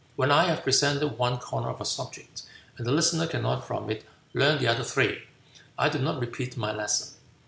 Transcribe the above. When I have presented one corner of a subject, and the listener cannot from it learn the other three, I do not repeat my lesson."